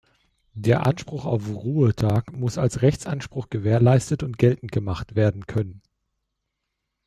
Der Anspruch auf Ruhetag muss als Rechtsanspruch gewährleistet und geltend gemacht werden können.